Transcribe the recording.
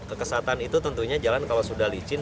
kekesatan itu tentunya jalan kalau sudah licin